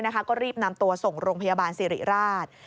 ก็รีบนำตัวส่งโรงพยาบาลสิริราช